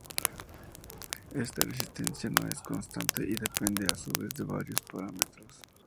Esta resistencia no es constante y depende a su vez de varios parámetros.